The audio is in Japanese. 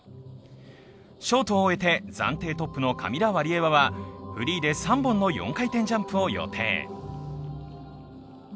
ショートを終えて暫定トップのカミラ・ワリエワはフリーで３本の４回転ジャンプを予定。